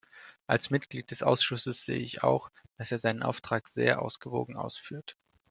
Als Mitglied des Ausschusses sehe ich auch, dass er seinen Auftrag sehr ausgewogen ausführt.